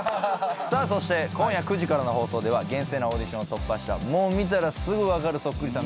そして今夜９時からの放送では厳正なオーディションを突破した見たらすぐ分かるそっくりさん